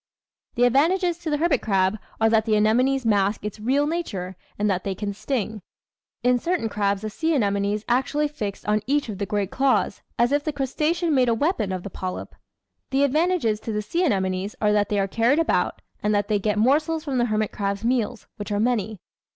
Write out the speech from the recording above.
The advantages to the hermit crab are that the anemones mask its real nature and that they can sting. In certain crabs a sea anemone is actually fixed on each of the great claws, as if the crustacean made a weapon of the polyp. The advantages to the sea anemones are that they are carried about and that they get morsels from the hermit crab's meals, which are many.